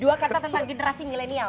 dua kata tentang generasi milenial